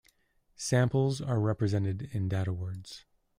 Samples are represented in data words.